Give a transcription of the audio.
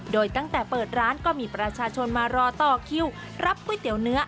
โดยตั้งแต่เปิดร้านก็มีประชาชนมารอต่อคิวรับก๋วยเตี๋ยวเนื้อ